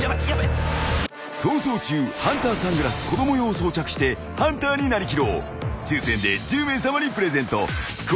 ［『逃走中』ハンターサングラス子ども用を装着してハンターに成りきろう］